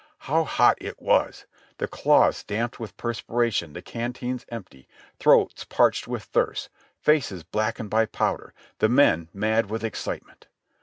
How hot it was ! The clothes damp with perspiration, the canteens empty, throats parched with thirst, faces blackened by powder, the men mad with excitement.